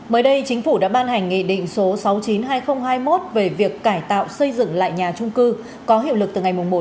mới đây chính phủ đã ban hành nghị định số sáu mươi chín hai nghìn hai mươi một về việc cải tạo xây dựng lại nhà trung cư có hiệu lực từ ngày một chín sắp tới